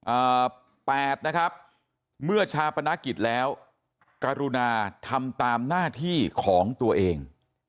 แปดนะครับเมื่อชาปนกิจแล้วกรุณาทำตามหน้าที่ของตัวเอง